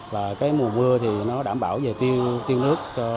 và cái mùa mưa thì nó đảm bảo về tiêu nước